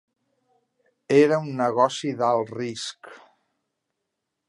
Era un negoci d'alt risc.